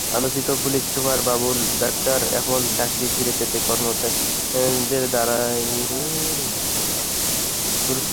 আলোচিত police super Babul Akter এখন চাকরি ফিরে পেতে কর্মকর্তাদের দ্বারে দ্বারে ঘুরছেন।